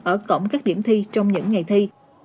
ở cổng các điểm thi trong những ngày thi